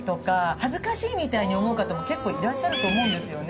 恥ずかしいみたいに思う方も結構いらっしゃると思うんですよね。